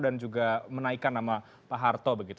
dan juga menaikkan nama pak harto begitu